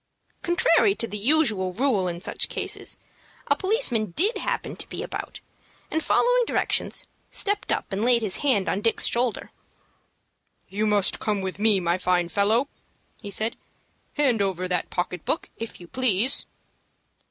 Contrary to the usual rule in such cases, a policeman did happen to be about, and, following directions, stepped up, and laid his hand on Dick's shoulder. "You must go with me, my fine fellow," he said "Hand over that pocket book, if you please."